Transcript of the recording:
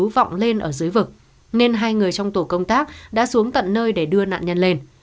nhưng không có ai nghe tiếng kêu cứu vọng lên ở dưới vực nên hai người trong tổ công tác đã xuống tận nơi để đưa nạn nhân lên